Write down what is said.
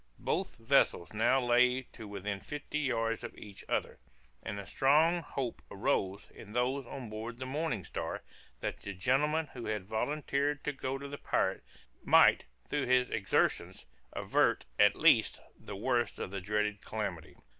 Both vessels now lay to within fifty yards of each other, and a strong hope arose in those on board the Morning Star, that the gentleman who had volunteered to go to the pirate, might, through his exertions, avert, at least, the worst of the dreaded calamity.